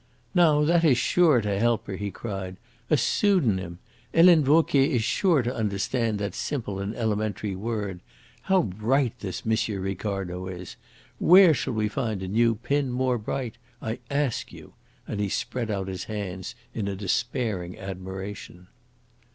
"Now that is sure to help her!" he cried. "A pseudonym! Helene Vauquier is sure to understand that simple and elementary word. How bright this M. Ricardo is! Where shall we find a new pin more bright? I ask you," and he spread out his hands in a despairing admiration.